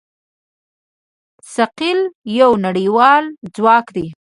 ثقل یو نړیوال ځواک دی.